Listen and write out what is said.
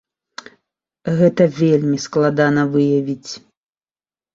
Гэта вельмі складана выявіць.